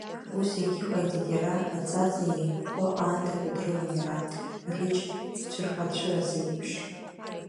Ус иагьыҟаиҵеит иара, аӡаӡа еимгәҳәо аандақәа дрыван иара, аӷьыч цәырҟьацәырас иеиԥш…